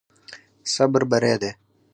صبر بری دی.